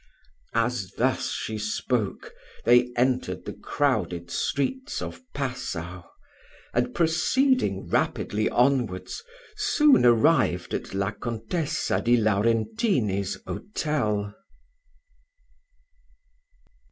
As thus she spoke, they entered the crowded streets of Passau, and, proceeding rapidly onwards, soon arrived at La Contessa di Laurentini's hotel.